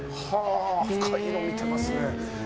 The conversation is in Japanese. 深いの見てますね。